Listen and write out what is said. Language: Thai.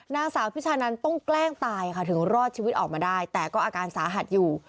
นางสาวพิชานันต้องแกล้งตายค่ะถึงรอดชีวิตออกมาได้แต่ก็อาการสาหัสอยู่